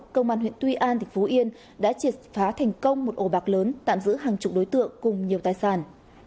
công an huyện tuy an tỉnh phú yên đã triệt phá thành công một ổ bạc lớn tạm giữ hàng chục đối tượng cùng nhiều tài sản